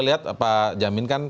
diduga ada perpanjangan